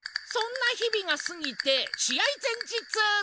そんな日々がすぎてしあい前日。